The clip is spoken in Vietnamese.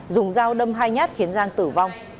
dùng dao đâm hai nhát khiến giang tử vong